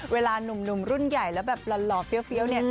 หนุ่มรุ่นใหญ่แล้วแบบหล่อเฟี้ยวเนี่ย